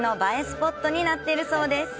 スポットになっているそうです。